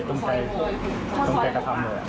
ตรงไกลตรงแก่กระทำเลย